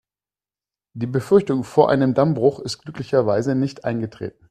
Die Befürchtung vor einem Dammbruch ist glücklicherweise nicht eingetreten.